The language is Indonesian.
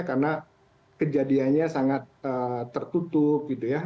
karena kejadiannya sangat tertutup gitu ya